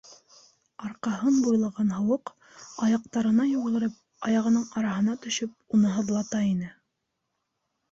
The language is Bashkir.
Арҡаһын буйлаған һыуыҡ, аяҡтарына йүгереп, аяғының яраһына төшөп, уны һыҙлата ине.